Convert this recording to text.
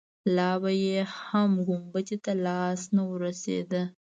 لا به يې هم ګنبدې ته لاس نه وررسېده.